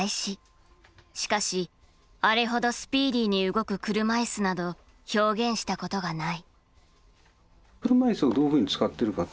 しかしあれほどスピーディーに動く車いすなど表現したことがない。